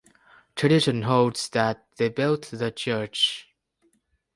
Tradition holds that they built the church.